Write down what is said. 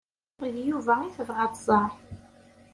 D Yuba ay tebɣa ad tẓer.